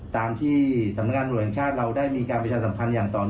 ต่างเพราะว่าส่วนรัชการ